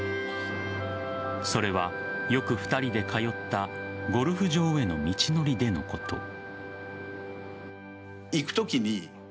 それは、よく２人で通ったゴルフ場への道のりでのこと。